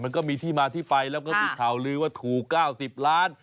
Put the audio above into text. มันก็มีที่มาที่ไปแล้วก็มีข่าวลือว่าถูก๙๐ล้าน